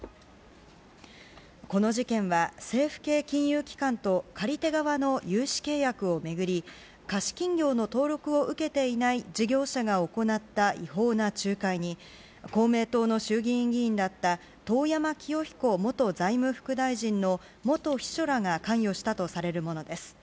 この事件は、政府系金融機関と借り手側の融資契約を巡り貸金業の登録を受けていない事業者が行った違法な仲介に公明党の衆議院議員だった遠山清彦元財務副大臣の元秘書らが関与したとされるものです。